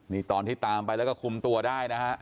นี่ตอนที่ตามไปแล้วก็คุมตัวได้นะฮะ